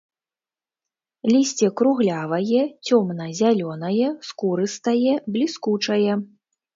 Лісце круглявае, цёмна-зялёнае, скурыстае, бліскучае.